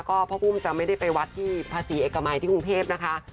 ก็พ่อกุ้มจะไม่ได้ไปวัดที่ภาษีเอกมัยที่กรุงเทพนะคะ